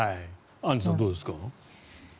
アンジュさんどうですか。